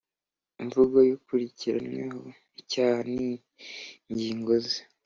Imvugo y ukurikiranyweho icyaha n ingingo ze